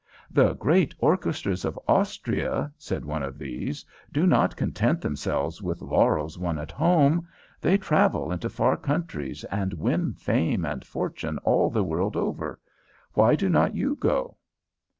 "The great orchestras of Austria," said one of these, "do not content themselves with laurels won at home. They travel into far countries, and win fame and fortune all the world over. Why do not you go?"